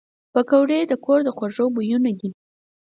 پکورې د کور د خوږو بویونه دي